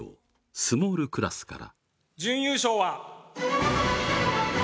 スモールクラスから。